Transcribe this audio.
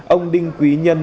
ông đinh quý nhân